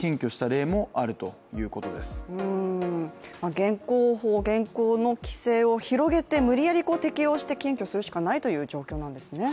現行の規制を広げて無理やり適用して検挙をするしかないということなんですね。